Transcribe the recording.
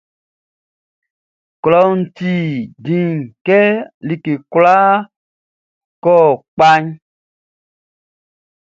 Klɔʼn ti dĩn kɛ like kwlaa kɔ kpaʼn.